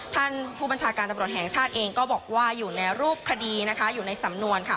ท่านผู้บัญชาการตำรวจแห่งชาติเองก็บอกว่าอยู่ในรูปคดีนะคะอยู่ในสำนวนค่ะ